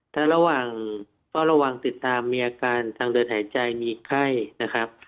ถ้าระหว่างเฝ้าระวังติดตามมีอาการทางเดินหายใจมีไข้นะครับ